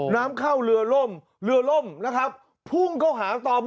น้ำเข้าเรือล่มเรือล่มนะครับพุ่งเข้าหาต่อ